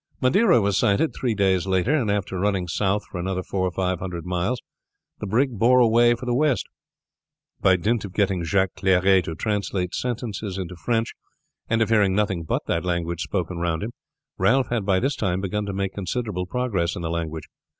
Madeira was sighted three days later, and after running south for another four or five hundred miles, the brig bore away for the west. By dint of getting Jacques Clery to translate sentences into French, and of hearing nothing but that language spoken round him, Ralph had by this time begun to make considerable progress in the language.